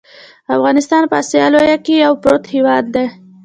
افغانستان په اسیا لویه کې یو پروت هیواد دی .